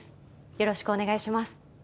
よろしくお願いします。